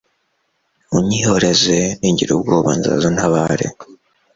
unyihoreze; ningira ubwoba, nzaza untabare